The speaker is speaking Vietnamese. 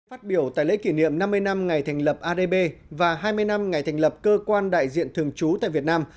phát biểu tại lễ kỷ niệm năm mươi năm ngày thành lập adb và hai mươi năm ngày thành lập cơ quan đại diện thường trú tại việt nam